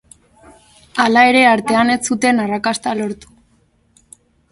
Hala ere, artean ez zuten arrakasta lortu.